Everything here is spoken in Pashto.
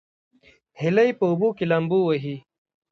هیلۍ په اوبو کې لامبو وهي